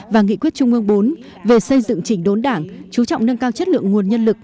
và nghị quyết trung ương bốn về xây dựng chỉnh đốn đảng chú trọng nâng cao chất lượng nguồn nhân lực